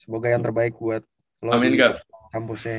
semoga yang terbaik buat lo di kampusnya ya